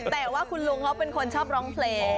แต่ว่าคุณลุงเขาเป็นคนชอบร้องเพลง